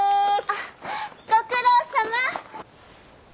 あっご苦労さま！